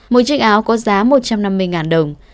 một chiếc áo có giá một trăm năm mươi đồng